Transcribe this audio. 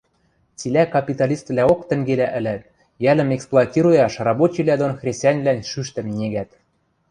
Цилӓ капиталиствлӓок тӹнгелӓ ӹлӓт, йӓлӹм эксплуатируяш рабочийвлӓ дон хресаньвлӓн шӱштӹм ньӹгӓт.